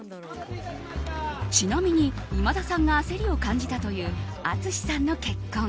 ちなみに、今田さんが焦りを感じたという淳さんの結婚。